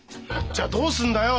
じゃあどうするんだよ？